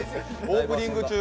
オープニング中。